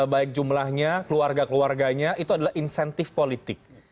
baik jumlahnya keluarga keluarganya itu adalah insentif politik